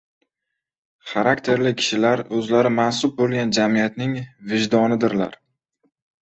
Xarakterli kishilar o‘zlari mansub bo‘lgan jamiyatning vijdonidirlar.